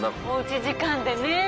おうち時間でね